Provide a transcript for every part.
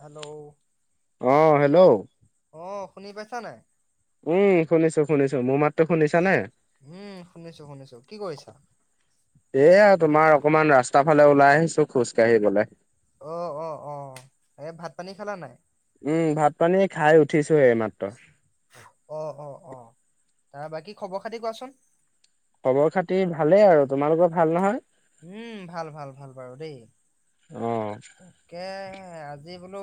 Hello? অ hello? অ, শুনি পাইছা নাই। উম, শুনিছো, শুনিছো মোৰ মাতো শুনিছা নে। উম, শুনিছো, শুনিছো কি কৰিছা। এয়া তোমাৰ অকমান ৰাস্তা ফালে ওলাই আহিছো খোজ কাঢ়িবলে। অ', অ', অ', এই ভাত, পানী খালা নাই। উম, ভাত পানী খাই উঠিছোহে এইমাত্ৰ। অ', অ', অ', তাৰ বাকী খবৰ, খাতি কোৱাচোন? খবৰ খাতিৰ ভালেই আৰু তোমালোকৰ ভাল, নহয়। উম, ভাল, ভাল, ভাল বাৰু দেই। অ তাকে, আজি বোলো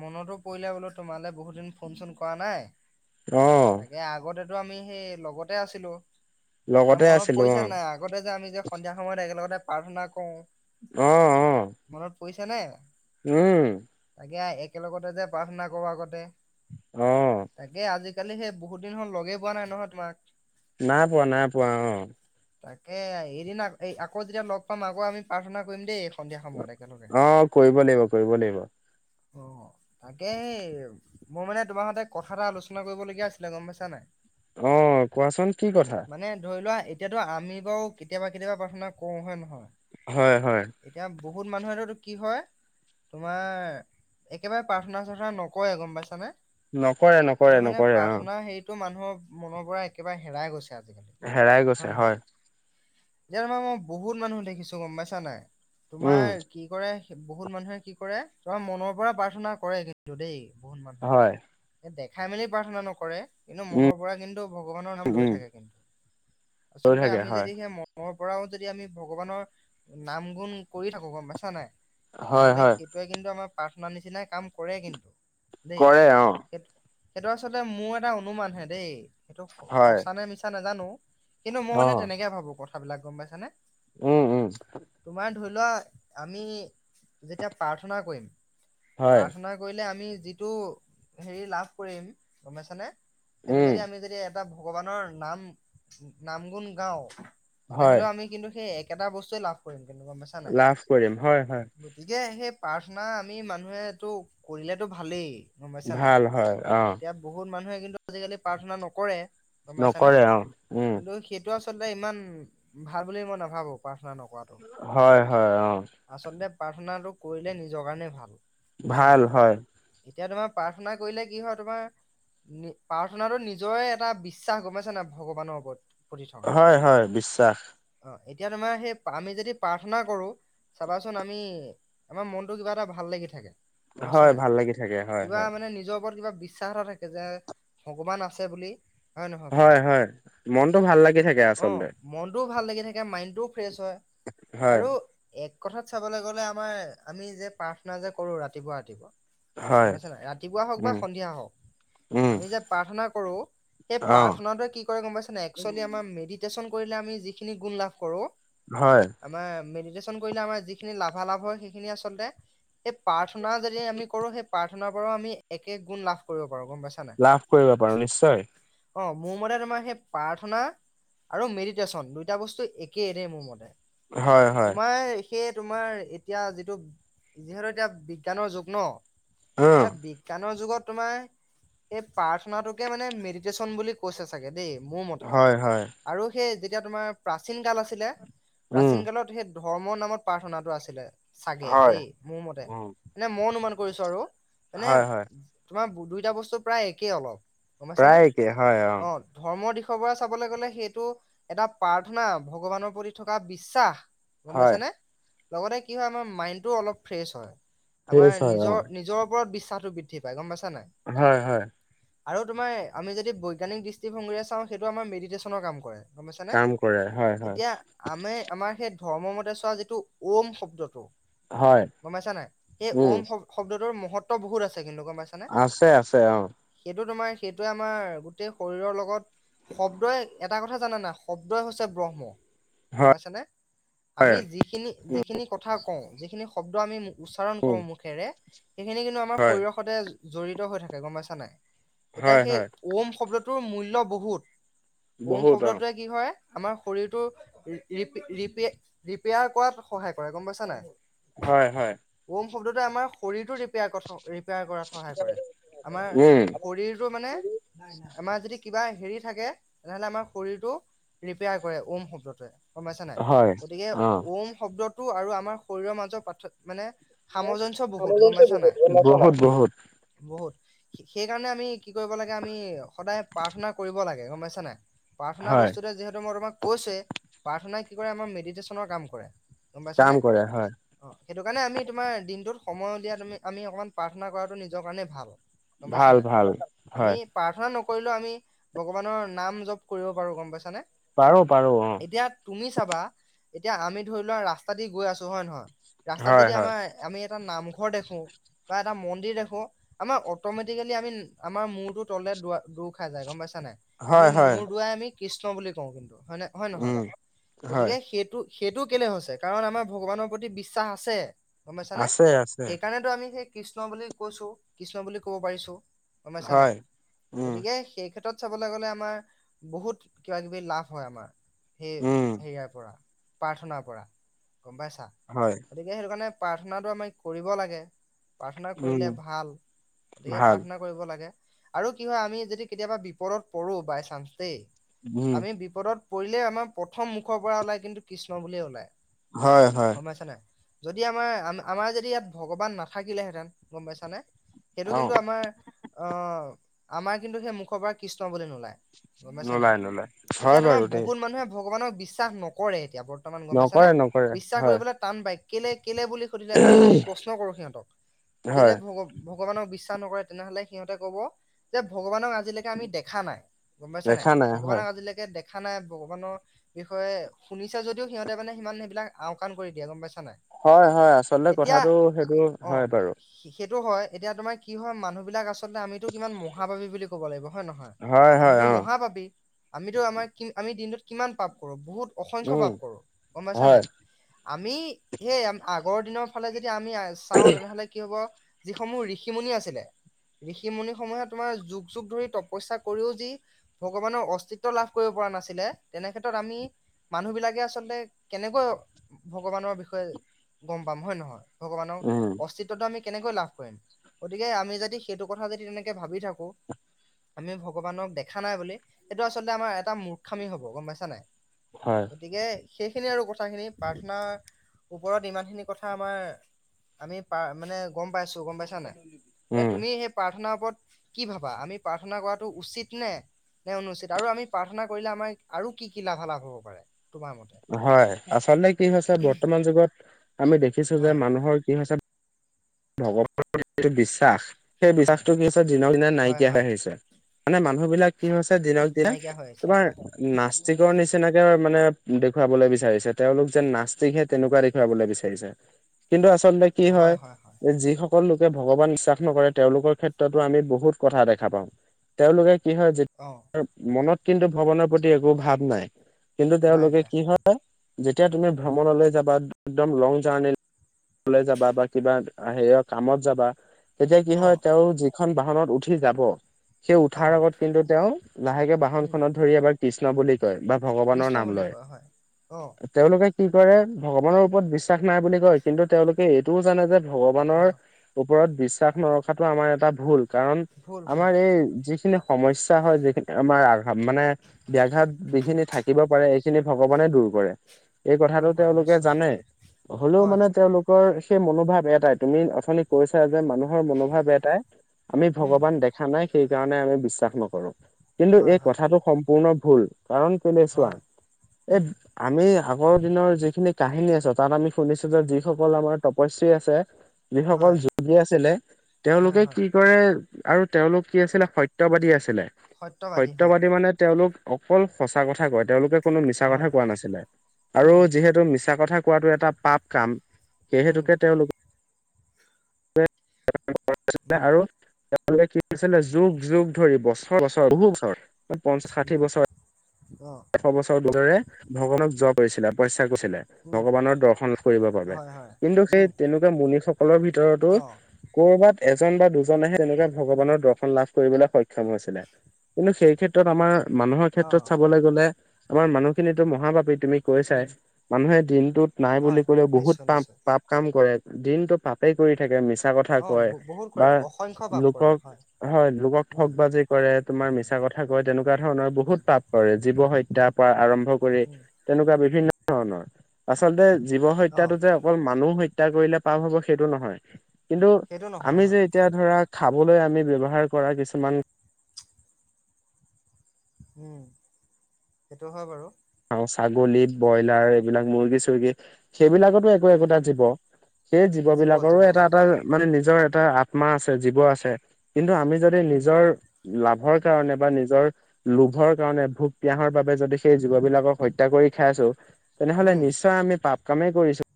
মনতো পৰিলে বোলো তোমালৈ বহুত দিন ফোন, চোন কৰা নাই অ তাকে আগতে কি আমি সেই লগতে আছিলো। ত, লগতে মনত আছিলো অ পৰিচা নাই, আগতে যে আমি যে সন্ধিয়া সময়ত একেলগতে প্ৰাৰ্থনা কৰো। আহ, অ'। কৰিছা নে। উম। তাকে একেলগতে যে প্ৰাৰ্থনা কৰ আগতে অ তাকে আজি আজিকালি সেই বহুত দিন হ, লগেই পোৱা নাই নহয়, তোমাক। নাই পোৱা, নাই পোৱা অ'। তাকে এদিন আকৌ যেতিয়া লগ পাম, আকৌ আমি প্ৰাৰ্থনা কৰিম দেই, সন্ধিয়া সময়ত একেলগে। অ কৰিব লাগিব, কৰিব লাগিব। অ, তাকে মই মানে তোমাৰ হতে কথা এটা আলোচনা কৰিবলগীয়া আছিলে গম পাইছা নাই। অ, কোৱাচোন কি কথা? মানে ধৰি লোৱা এতিয়াতো আমি বাৰু কেতিয়াবা, কেতিয়াবা প্ৰাৰ্থনা কৰো হয়ে, নহয়। হয়, হয়। এতিয়া বহুত মানুহেটো কি হয়, তোমাৰ একেবাৰে প্ৰাৰ্থনা, চাৰ্থনা নকৰেয় গম পাইছানে। নকৰে, নকৰে, নকৰে, অ'। ৰ মনৰ পৰা একেবাৰে হেৰাই গৈছে হেৰাই গৈছে হয় এয়ামা মই বহুত মানুহ দেখিছো গম পাইছা নাই তোমাৰ উম কি কৰে বহুত মানুহে কি কৰে তুমাৰ মনৰ পৰা প্ৰাৰ্থনা কৰে কিন্তু দেই বহুত হয় মানুহে দেখাই মেলি প্ৰাৰ্থনা নকৰে কিন্তু উম মনৰ পৰা কিন্তু ভগৱানৰ নাম লৈ উম থাকে কিন্তু লৈ আচলতে থাকে আমি হয় যদি সেই মটৰ পৰাও যদি আমি ভগৱানৰ নাম গুণ কৰি থাকো গম পাইছা নাই হয় তেনেহলে হয়। সেইটোৱে কিন্তু আমাৰ প্ৰাৰ্থনা নিচিনাই কাম কৰে কিন্তু দেই কৰে অ সেই সেইটো আচলতে মোৰ এটা অনুমান হে দেই সেইটো হয়। সঁচা নে মিছা নাজানো কিন্তু মই অ মানে তেনেকে ভাবো কথাবিলাক গম পাইছানে উম উম তোমাৰ ধৰি লোৱা আমি যেতিয়া প্ৰাৰ্থনা কৰিম হয়। প্ৰাৰ্থনা কৰিলে আমি যিটো হেৰি লাভ কৰিম গম পাইছানে সেইটো উম যদি আমি যদি এটা ভগৱানৰ নাম নাম গুণ গাও হয়। তেনেহলেও আমি কিন্তু সেই একেটা বস্তুৱে লাভ কৰিম কিন্তু গমপাইছানে নাই লাভ কৰিম হয় হয় গতিকে সেই প্ৰাৰ্থনা আমি মানুহে এইটো কৰিলেতো ভালেই গম পাইছা নাই ভাল হয় অ এতিয়া বহুত মানুহে কিন্তু আজিকালি প্ৰাৰ্থনা নকৰে গম পাইছানে নকৰে অ উম কিন্তু সেইটো আচলতে ইমান ভাল বুলি মই নাভাবো পাৰ হয় হয় অ আচলতে প্ৰাৰ্থনাটো কৰিলে নিজৰ কাৰণে ভাল গম পাইছা ভাল নাই হয় এতিয়া তোমাৰ প্ৰাৰ্থনা কৰিলে কি হয় তোমাৰ প্ৰাৰ্থনাাতো নিজৰে এটা বিশ্বাস গমপাইছা নে নাই ভগৱানৰ ওপৰত প্ৰতি থকা হয় হয় বিশ্বাস অ এতিয়া তোমাৰ সেই আমি যদি প্ৰাৰ্থনা কৰো চাবাচোন আমি আমাৰ মনতটো কিবা এটা ভাল লাগি থাকে গম পাইছা হয় নাই ভাল লাগি থাকে হয় কিবা হয় মানে নিজৰ কিবা বিশ্বাস এটা থাকে যে ভগৱান আছে বুলি নহয় বাৰু হয় হয় মনটো ভাল লাগি থাকে অ আচলতে মনটোও ভাল লাগি থাকে মাইণ্ডতোও ফ্ৰেছ হয় হয় আৰু এক কথাত চাবলৈ গলে আমাৰ আমি যে প্ৰাৰ্থনা যে কৰো ৰাতিপুৱা ৰাতিপুৱা হয় গমপাইছানে নাই ৰাতিপুৱা হওক বা উম। সন্ধিয়া উম হওক আমি যে প্ৰাৰ্থনা কৰো সেই অ প্ৰাৰ্থনা কি কৰেগমপাইছানে নাই একচল্লি আমাৰ মেদিতেচন কৰিলে যিখিনি গুণ লাভ কৰো হয় আমাৰ মেডিতেচন কৰিলে আমাৰ যিখিনি লাভালাভ হয় সেইখিনি আচলতে এই প্ৰাৰ্থনা যদি আমি কৰো সেই প্ৰাৰ্থনাৰ পৰাও আমি একে গুণ লাভ কৰো লাভ কৰিব পাৰো নিশ্চয় অ মোৰ মতে তোমাৰ সেই প্ৰাৰ্থনা আৰু মেডিটেশ্যন দুইটা বস্তু একেই দেই মোৰ মতে হয় হয়। তোমাৰ সেই তোমাৰ এতিয়া যিটো যিহেতু এতিয়া বিজ্ঞানৰ যুগ ন উম এ বিজ্ঞানৰ যুগত তোমাৰ এই প্ৰাৰ্থনাটোকে মানে মেডিটেশচন বুলি কৈছে চাগে দেই মোৰ মতে হয় হয় আৰু সেই যেতিয়া তোমাৰ প্ৰাচীন কাল আছিলে উম প্ৰাচীন কালত সেই ধৰ্মৰ নামত প্ৰাৰ্থনাটো আছিলে চাগে হয় দেই মোৰ মতে উম এনে মই অনুমান কৰিছো আৰু মানে হয় হয় তোমাৰ দুইটা বস্তু প্ৰায় একেই অলপ গমপাইছানে প্ৰায় একে হয় অ ধৰ্মৰ দিশত চাবলৈ গলে সেইটো এটা প্ৰাৰ্থনা ভগৱানৰ প্ৰতি থকা বিশ্বাস হয়। গমপাইছানে লগতে কি হয় আমাৰ মাইন্দতোও অলপ ফেশ্চ হয় আমাৰ ফ্ৰেছ হয় নিজৰ অ'। নিজৰ ওপৰত বিশ্বাসো বৃদ্ধি পাই গম পাইছানে হয়, হয়। আৰু তোমাৰ আমি যদি বৈজ্ঞানিক দৃষ্টিভংগীৰে চাওঁ সেইটো আমাৰ মেডিটেশ্যনৰ কাম কৰে। গমাইছানে, কাম কৰে হয় হয়। এতিয়া আমি আমাৰ সেই ধৰ্ম মতে চোৱা যিটো ওম শব্দটো। হয় গমাইছা নাই, সেই উম ওম শব্দ, শব্দটোৰ মহত্ব বহুত আছে কিন্তু। গম পাইছানে? আছে, আছে অ'। সেইটোয়ে আমাৰ গোটেই শৰীৰৰ লগত শব্দই এটা কথা জানা নাই, শব্দই হৈছে ব্ৰহ্ম। গম হয় পাইছানে হয় আমি যিখিনি, যিখিনি কথা কওঁ, যিখিনি শব্দ আমি উচ্চাৰণ কৰো মুখেৰে, সেইখিনি কিন্তু আমাৰ হয় শৰীৰৰ সতে জড়িত হৈ থাকে, গম পাইছা, নাই। এতিয়া হয় সেই হয় ওম শব্দটোৰ মূল্য় বহুত ওম বহুত অ'। শব্দটোৱে কি কৰে আমাৰ শৰীৰটো ৰিপেয়াৰ কৰাত সহায় কৰে গম পাইছা নাই। হয়, হয়। শব্দটো আমাৰ শৰীৰটোৰ প, কৰাত সহায় কৰে। আমাৰ উম শৰীৰটো মানে আমাৰ যদি কিবা হেৰি থাকে, তেনেহলে আমাৰ শৰীৰটো ৰিপেয়াৰ কৰে, ওম শব্দটোৱে। গমাইছা নাই, হয় গতিকে অ'। ওম শব্দটো আৰু আমাৰ শৰীৰৰ মাজৰ পা, মানে সামঞ্জস্য ম, বহুত গম বুত পাইছা বহুত, বহুত সেই কাৰণে আমি কি কৰিব লাগে, আমি সদায় প্ৰাৰ্থনা কৰিব লাগে, গম পাইছা নে। প্ৰাৰ্থ হয় বস্তু যিহেতু তোমাক কৈচোৱে প্ৰাথনা কি কৰে আমাৰ মেদিতেচোন কাম কৰে। গম পাইছানে কাম কৰে হয়। অ সেইটো কাৰণে আমি তোমাৰ দিনটোত সময় উলিয়াই তুমি আমি অকণমান প্ৰাৰ্থনা কৰাটো নিজৰ কাৰণে ভাল। গম পাইছা ভাল নাই, ভাল আমি হয় প্ৰাৰ্থনা ন কৰিলো আমি ভগৱানৰ নাম জপ কৰিব পাৰো গম পাইছানে। পাৰো, পাৰো অ'। এতিয়া তুমি চাবা এতিয়া আমি ধৰি লোৱা ৰাস্তা দি গৈ আছো হয় নহয়, ৰাস্তাত হয় যদি হয় আমাৰ আমি এটা নামঘৰ দেখো। বা এটা মন্দিৰ দেখো আমাৰ অটমেটিকেলি আমি আমাৰ মূৰটো তলে দৰ খাই যায়, গম পাইছো। ন, আমি হয় হয় মোৰ দুৱাই আমি কৃষ্ণ বুলি কওঁ। কিন্তু হয় ন, হয়, নহয়, উম হয় গতিকে সেইটো সেইটো কেলে হৈছে কাৰণ আমাৰ ভগৱানৰ প্ৰতি বিশ্বাস আছে। গম পাইছানে আছে আছে সেইকাৰণেতো আমি সেই কৃষ্ণ বুলি কৈছো, কৃষ্ণ বুলি কব পাৰিছো। গম পাইচা নাই হয়। উম গতিকে সেই ক্ষেত্ৰত চাবলৈ গলে আমাৰ বহুত কিবা, কিবি লাভ হয়। আমাৰ সেই উম হেৰিয়াৰ পৰা। প্ৰাৰ্থনাাৰ পৰা গম পাইছা, হয় গতিকে সেইটো কাৰণে প্ৰাৰ্থনাটো আমি কৰিব লাগে। প্ৰাৰ্থনা উম কৰিলে ভাল গতিকে ভাল প্ৰাৰ্থনা কৰিব লাগে। আৰু কি হয়, আমি যদি কেতিয়াবা বিপদত পৰো বাই চানসেই উম আমি বিপদত পৰিলে আমাৰ প্ৰথম মুখৰ পৰা ওলাই কিন্তু কৃষ্ণ বুলিয়ে ওলাই হয় হয় গম পাইছ নে। যদি আমাৰ আমাৰ যদি ইয়াত ভগৱান নাথাকিলেহেঁতেন গম পাইছানে। সেইটো অ'। কিন্তু আমাৰ আহ, আমাৰ কিন্তু সেই মুখৰ পৰা কৃষ্ণ বুলি নোলায়। গম পাইছা নাই, নোলায় নোলায় হয় এতিয়া তোমাৰ বাৰু দেই বহুত মানুহে ভগৱানক বিশ্বাস নকৰে, এতিয়া বৰ্তমান গমাইছে নে, নকৰে নকৰে বিশ্বাস হয় কৰিবলৈ টান বাক্যলৈ কেলে বুলি সুধিলে, আমি যদি প্ৰশ্ন কৰো সিহঁতক কেলে হয় ভগ ভগৱানক বিশাস নকৰে তেনেহলে সিহতে কব যে, ভগৱানক আজ আজিলৈকে আমি দেখা নাই, গম পাইছ নে, দেখা নাই হয় ভগৱানক আজিলৈকে দেখ দেখা নাই, ভগৱানৰ বিষয়ে শুনিছে যদিও সিহঁতে মানে সিমান সেইবিলাক আওকাণ কৰি দিয়ে গম পাইছো। হয়, হয়, আচলতে কথাটো সেইটো হয়, বাৰু। টো, হয়, এতিয়া তোমাৰ কি হয় মানুহ বিলাক আচলতে আমিতো কিমান মহাবাবী বুলি ক'ব লাগিব। হয়, নহয়, হয় হয় আমিতো অ মহাপাবি আমিতো আমাৰ কি আমি দিনটোত কিমান পাপ কৰো বহুত। অসংখ্য্ উম পাপ কৰো গম পাইছা হয় নাই। আমি সেই আগৰ দিনৰ ফালে যদি যদি আমি চাওঁ তেনেহলে কি হব যিসমূহ ঋষি-মুনি আছিলে ঋষি-মুনিসমূহে তোমাৰ যুগ যুগ ধৰি তপস্যা কৰিও যি ভগৱানৰ অস্তিত্ব লাভ কৰিব পৰা ৰা নাছিলে তেনেক্ষেত্ৰত আমি মানুহবিলাকে আচলতে কেনেকৈ ভগৱানৰ বিষয়ে গম পাম হয় নহয়? ভগৱানৰ উম অস্তিত্বটো আমি কেনেকৈ লাভ কৰিম গতিকে আমি যদি সেইটো কথা যদি তেনেকে ভাবি থাকো আমি ভগৱানক দেখা নাই বুলি সেইটো আচলতে আমাৰ এটা মূৰ্খামি হব গম পাইছা নাই। হয় গতিকে সেইখিনি আৰু কথাখিনি প্ৰাৰ্থনাৰ ওপৰত ইমানখিনি কথা আমাৰ আমি প্ৰা মানে গম পাইছো গম পাইছানে এ উম তুমি সেই প্ৰাৰ্থনা ওপৰত কি ভাবা আমি প্ৰাৰ্থনা কৰাটো উচিত নে? নে অনুচিত আৰু আমি প্ৰাৰ্থনা কৰিলে আমাৰ আৰু কি কি লাভালাভ হ'ব পাৰে? তোমাৰ মতে হয় আচলতে কি হৈছে বৰ্তমান যুগত আমি দেখিছো যে হয় মানুহৰ কি হৈছে ভগৱানৰ প্ৰতি যিটো বিশ্বাস সেই হয় বিশ্বাসটো কি হৈছে দিনক দিনে হয় নাইকিয়া হৈ হয় আহিছে। মানে মানুহ বিলাক কি হৈছে দিনক দিনে নাইকিয়া হৈ আছে তোমাৰ নাস্তিকৰ নিচিনাকে মানে দেখুৱাবলৈ বিচাৰিছে তেওঁলোক যেন নাাস্তিকহে তেনেকুৱা দেখুৱাবলৈ বিচাৰিছে কিন্তু আচ লতে কি হয় যিসকল লোকে ভগৱান বিশ্বাস নকৰে তেওঁলোকৰ ক্ষেত্ৰতো আমি বহুত কথা দেখা পাওঁ তেওঁলোকে কি হয় অ যেতিয়া মনত কিন্তু ভভগৱানৰ প্ৰতি একো ভাৱ নাই কিন্তু নাই তেওঁলোকে নাই কি হয় যেতিয়া তুমি ভ্ৰমণলৈ যাবা একদম লং জাৰ্নিলৈ যাবা বা কিবা হেৰিঅ কামত যাবা তেতিয়া কি অ হয় তেওঁ যিখন বাহনত উঠি যাব সেই অ উঠাৰ আগত কিন্তু তেওঁ লাহেকে উম বাহনখনত ধৰি এবাৰ কৃষ্ণ বুলি কয় বা ভগৱানৰ কৃষ্ণ নাম বুলি লয় কয় হয় অ তেওঁলোকে কি কৰে ভগৱানৰ ওপৰত বিশ্বাস নাই বুলি কয় কিন্তু তেওঁলোকে এইটোও জানে যে অ ভগৱানৰ ওপৰত বিশ্বাস নৰখাটো আমাৰ এটা ভুল। কাৰণ ভুল ভুল আমাৰ এই যিখিনি সমস্যা হয় যিখিনি আমাৰ আঘাত মানে ব্যাঘাত যিখিনি থাকিব পাৰে এইখিনি ভগৱানে দূৰ কৰে। এই কথাটো দূৰ কৰে তেওঁলোকে নিশ্চয় জানে হলেও হয় মানে তেওঁলোকৰ সেই মনোভাৱ এট টাই তুমি অথনি কৈছা যে মানুহৰ মনোভাৱ এটাই আমি উম ভগৱান দেখা নাই সেই কাৰণে আমি বিশ্বাস নকৰো কিন্তু হয় এই হয় কথাটো হয় সম্পূৰ্ণ ভুল। কাৰণ কেলে চোৱা হয় উম, এই আমি আগৰ দিনৰ যিখিনি ককাহিনী আছে তাত আমি শুনিছো যে যিসকল আমাৰ তপশ্ৰী আছে যিসকল হয়, যোগী আছিলে হয়, তেওঁলোকে হয়, কি কৰে আৰু তেওঁলোক কি আছিলে সত্যবাদী আছিলে সত্যবাদী মানে তেওঁলোক অকল সঁচা কথা কয় তেওঁলোকে কোনো মিছা কথা হয়, কোৱা নাছিলে আৰু উম, যিহেতু মিছা কথা কোৱাটো এটা পাপ কাম সেই উম, হেতুকে তেওঁলোকে উম, আৰু তেওঁলোকে কি কৰিছিলে যুগ যুগ ধৰি বছৰ বছৰ বহু বছৰ পঞ্চাশ ষাঠি উম, বছৰ অ', এশ বছৰ ভগৱানক যপ কৰিছিলে তপস্যা কৰিছিলে উম, ভগৱানৰ দৰ্শন কৰিবৰ বাবে। হয়, হয়, কিন্তু সেই উম, তেনেকুৱা মুনি সকলৰ ভিতৰতো অ', কৰবাত এজ জন বা দুজনেহে তেনেকুৱা উম, ভগৱানৰ দৰ্শন লাভ কৰিবলৈ সক্ষম হৈছিলে কিন্তু সেই ক্ষেত্ৰত আমাৰ মানুহৰ ক্ষেত্ৰত অ', চাবলে আমাৰ মানুহখিনিটো মহা পাপি। তুমি কৈছাই উম, মানুহে দিনটোত নাই বুলি হয়, ক'লেও বহুত নিশ্চয়, পাপ নিশ্চয়, পাপ কাম কৰে। দিনটো পাপেই কৰি থাকে, মিছা কথা অ', কয় ব- বহুত বা কৰে অসংখ্য পাপ কৰে লোকক হয় লোকক ঠগ উম, বাজি কৰে, তোমাৰ মিছা কথা কয় তেনেকুৱা ধৰণৰ বহুত উম, পাপ কৰে। জীৱ হত্যাৰ পৰা আৰম্ভ কৰি উম, তেনেকুৱা বিভিন্ন ধৰণৰ আচলতে জীৱ অ', হত্যাটো যে অকল মানুহ হত্যা কৰিলে পাপ হব সেইটো নহয় কিন্তু সেইটো নহয় আমি হয়, যে এতিয়া ধৰা খাবলৈ আমি ব্যৱহাৰ কৰা কিছুমান উম সেইটো হয় বাৰু। খাওঁ ছাগলী ব্ৰইলাৰ এইবিলাক মুৰ্গী চুৰ্গী। সেইবিলাকতো একো উম, একোটা জীৱ সেই জীৱ বিলাকৰো জীৱ এটা হয়, এটা মানে নিজৰ এটা আত্মা আছে জীৱ আছে কিন্তু আমি যদি উম, নিজৰ লাভৰ কাৰণে বা নিজৰ লোভৰ কাৰণে ভোক পিয়াহৰ বাবে যদি সেই জীৱ বিলাকৰ হত্যা কৰি খাই আছো তেনেহলে উম, নিশ্চয় আমি পাপ কামেই কৰিছো।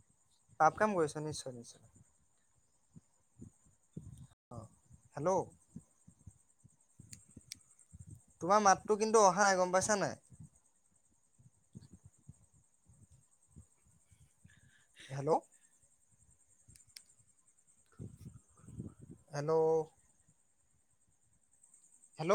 পাপ কাম কৰিছো নিশ্চয় নিশ্চয়। হেল্ল'। তোমাৰ মাতটো কিন্তু অহা নাই গম পাইছা নাই। হেল্ল'। হেল্ল'। হেল্ল'